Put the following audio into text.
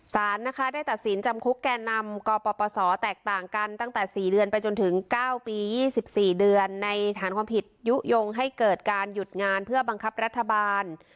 สารนะคะได้ตัดสินจำคุกแก่นำกปศแตกต่างกันตั้งแต่๔เดือนไปจนถึง๙ปี๒๔เดือนในฐานความผิดยุโยงให้เกิดการหยุดงานเพื่อบังคับรัฐบาล